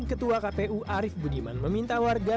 ketua kpu arief budiman meminta warga